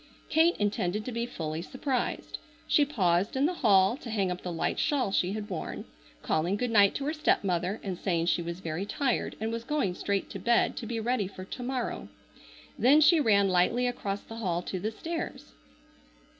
Kate intended to be fully surprised. She paused in the hall to hang up the light shawl she had worn, calling good night to her stepmother and saying she was very tired and was going straight to bed to be ready for to morrow. Then she ran lightly across the hall to the stairs.